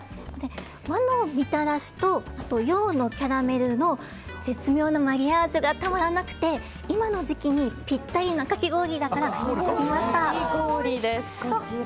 和のみたらしと洋のキャラメルの絶妙なマリアージュがたまらなくて今の時期にピッタリのかき氷です。